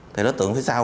thì đối tượng phía sau